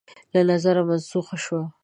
له نظره منسوخه شوه